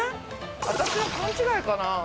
私の勘違いかな？